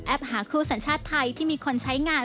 หาคู่สัญชาติไทยที่มีคนใช้งาน